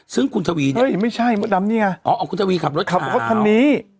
ซึ่งคุณทวีเนี่ยไม่ใช่มดดำนี่ไงอ๋อคุณทวีขับรถขับรถคันนี้